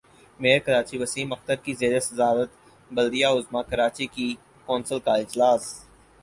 mayor Karachi Waseem Akhtar کی زیر صدارت بلدیہ عظمی کراچی کی کونسل کا اجلاس